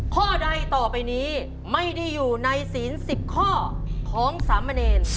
ข้อใดต่อไปนี้ไม่ได้อยู่ในศีล๑๐ข้อของสามเณร